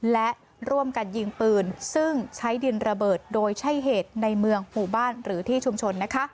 และร่วมกันยิงปืนซึ่งใช้ดินระเบิดโดยใช้เหตุในเมืองหมู่บ้านหรือที่ชุมชนนะคะ